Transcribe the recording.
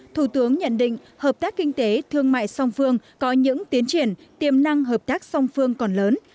thủ tướng nhận định hợp tác kinh tế thương mại song phương có những tiến triển tiềm năng hợp tác song phương còn lớn